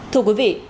thưa quý vị